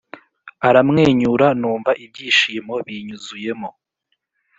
aramwenyura numva ibyishimo binyuzuyemo